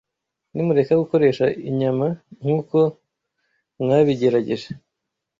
Nimureka gukoresha inyama nk’uko mwabigerageje